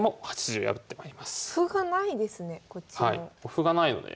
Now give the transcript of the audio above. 歩がないので。